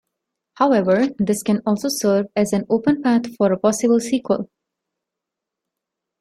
However, this can also serve as an open path for a possible sequel.